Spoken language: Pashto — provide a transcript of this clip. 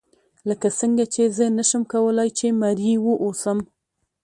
لکه څنګه چې زه نشم کولای چې مریی واوسم.